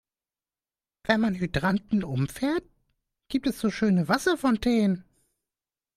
Wenn man Hydranten umfährt, gibt es so schöne Wasserfontänen.